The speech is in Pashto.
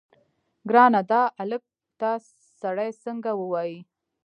ګرانه دا الک ته سړی څنګه ووايي.